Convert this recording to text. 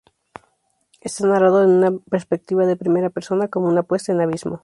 Esta narrado en una perspectiva de primera persona, como una puesta en abismo.